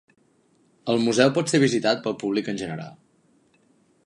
El Museu pot ser visitat pel públic en general.